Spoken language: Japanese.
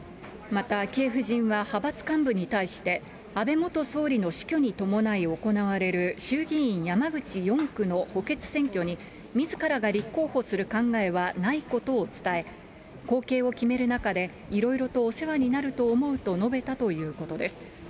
また、昭恵夫人は派閥幹部に対して、安倍元総理の死去に伴い行われる衆議院山口４区の補欠選挙に、みずからが立候補する考えはないことを伝え、後継を決める中で、いろいろとお世話になると思うと述べたということです。